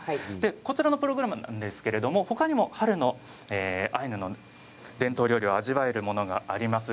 こちらのプログラムですがほかにも春のアイヌの伝統料理を味わえるものがあります。